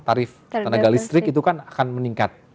tarif tenaga listrik itu kan akan meningkat